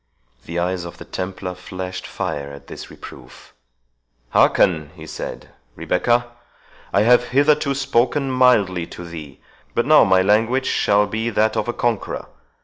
The eyes of the Templar flashed fire at this reproof—"Hearken," he said, "Rebecca; I have hitherto spoken mildly to thee, but now my language shall be that of a conqueror.